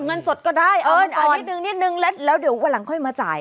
เออเอานิดนึงแล้วเดี๋ยววันหลังค่อยมาจ่าย